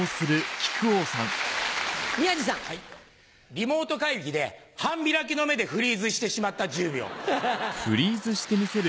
リモート会議で半開きの目でフリーズしてしまった１０秒。